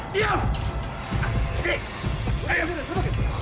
siapa dong dia